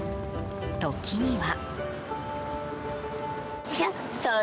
時には。